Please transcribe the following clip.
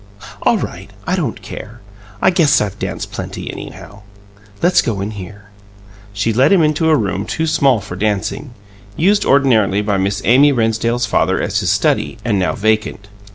"All right. I don't care. I guess I've danced plenty, anyhow. Let's go in here." She led him into a room too small for dancing, used ordinarily by Miss Amy Rennsdale's father as his study, and now vacant.